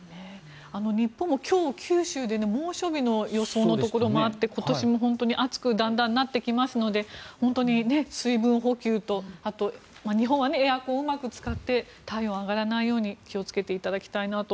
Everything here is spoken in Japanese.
日本も今日、九州で猛暑日の予想のところもあって今年も暑くだんだんなってきますので本当に水分補給と日本はエアコンをうまく使って体温が上がらないように気をつけていただきたいなと。